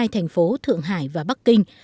hai thành phố thượng hải và bắc kinh